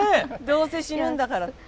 どうせ死ぬんだから。